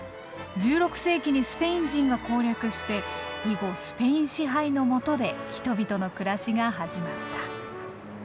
１６世紀にスペイン人が攻略して以後スペイン支配の下で人々の暮らしが始まった。